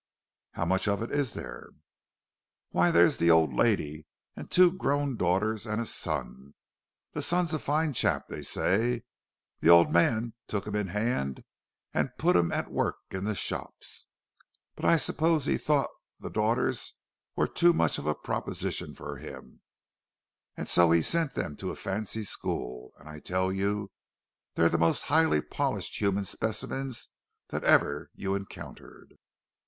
"How much of it is there?" "Why, there's the old lady, and two grown daughters and a son. The son's a fine chap, they say—the old man took him in hand and put him at work in the shops. But I suppose he thought that daughters were too much of a proposition for him, and so he sent them to a fancy school—and, I tell you, they're the most highly polished human specimens that ever you encountered!"